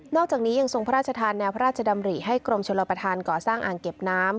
อกจากนี้ยังทรงพระราชทานแนวพระราชดำริให้กรมชลประธานก่อสร้างอ่างเก็บน้ำ